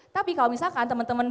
tapi kalau misalkan teman teman